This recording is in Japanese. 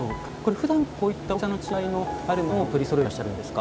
ふだんから、こういった大きさの違いのあるものを取りそろえているんですか？